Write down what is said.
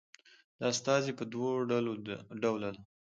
دا استازي په دوه ډوله ده